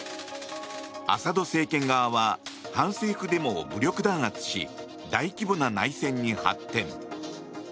アサド政権側は反政府デモを武力弾圧し大規模な内戦に発展。